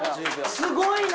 すごいな！